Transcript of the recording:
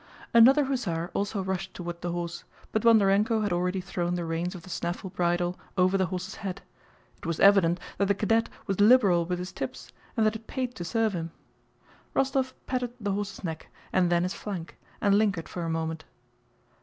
Another hussar also rushed toward the horse, but Bondarénko had already thrown the reins of the snaffle bridle over the horse's head. It was evident that the cadet was liberal with his tips and that it paid to serve him. Rostóv patted the horse's neck and then his flank, and lingered for a moment.